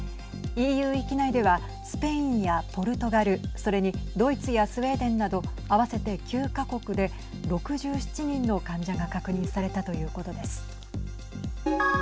ＥＵ域内ではスペインやポルトガルそれにドイツやスウェーデンなど合わせて９か国で６７人の患者が確認されたということです。